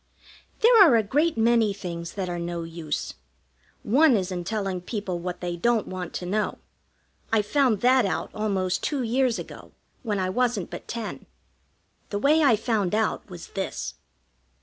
There are a great many things that are no use. One is in telling people what they don't want to know. I found that out almost two years ago, when I wasn't but ten. The way I found out was this.